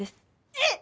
えっ！？